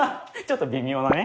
ちょっと微妙なね。